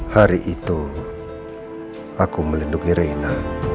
hari itu aku melindungi reina